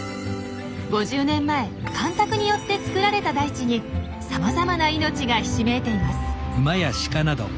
５０年前干拓によって作られた大地にさまざまな命がひしめいています。